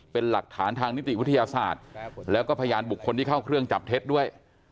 เป็นหลักฐานทางนิติวิทยาศาสตร์แล้วก็พยานบุคคลที่เข้าเครื่องจับเท็จด้วย